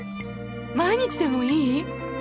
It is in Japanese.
毎日でもいい？